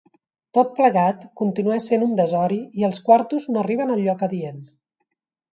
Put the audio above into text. Tot plegat, continua essent un desori i els quartos no arriben al lloc adient.